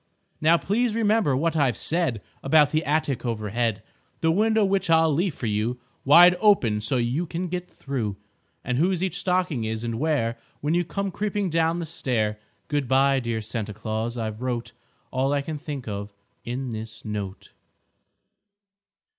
Now, please remember what I've said About the attic overhead; The window which I'll leave for you Wide open so you can get through; And whose each stocking is, and where, When you come creeping down the stair, Good by, dear Santa Claus, I've wrote All I can think of in this note.